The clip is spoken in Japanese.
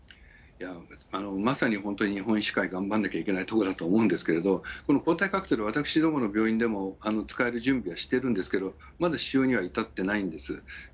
まさに本当に、日本医師会、頑張らなきゃいけないところだと思うんですけれども、この抗体カクテル、私どもの病院でも使える準備はしてるんですけど、まだ使用には至ってないんです。